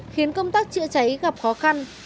khiến công tác trựa cháy gặp khó khăn